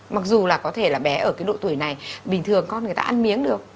mặc dù là có thể bé ở độ tuổi này bình thường con người ta ăn miếng được